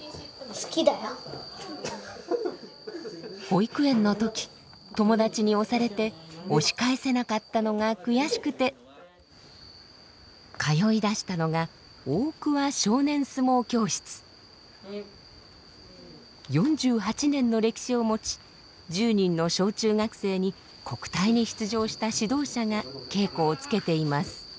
保育園の時友達に押されて押し返せなかったのが悔しくて通いだしたのが４８年の歴史を持ち１０人の小中学生に国体に出場した指導者が稽古をつけています。